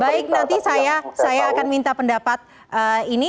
baik nanti saya akan minta pendapat ini